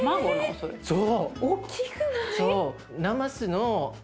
そう。